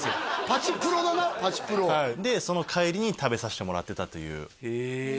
パチプロだなパチプロでその帰りに食べさせてもらってたというへえ